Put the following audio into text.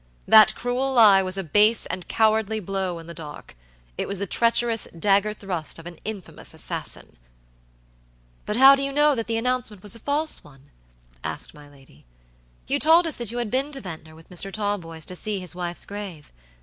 That cruel lie was a base and cowardly blow in the dark; it was the treacherous dagger thrust of an infamous assassin." "But how do you know that the announcement was a false one?" asked my lady. "You told us that you had been to Ventnor with Mr. Talboys to see his wife's grave.